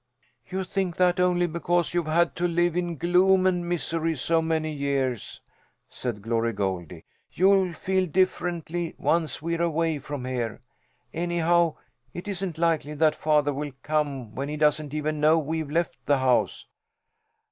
"You think that only because you've had to live in gloom and misery so many years," said Glory Goldie. "You'll feel differently once we're away from here. Anyhow, it isn't likely that father will come when he doesn't even know we've left the house."